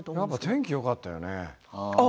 天気がよかったよね。